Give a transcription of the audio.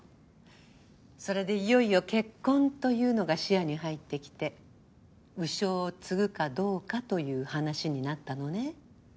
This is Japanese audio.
それでいよいよ結婚というのが視野に入ってきて鵜匠を継ぐかどうかという話になったのね。